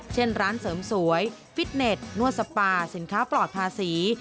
เช่นร้านเสริมสวยฟิตเน็ตนวดสปาสินค้าปลอดภาษี